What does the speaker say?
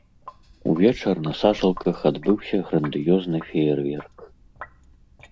Увечар на сажалках адбыўся грандыёзны феерверк.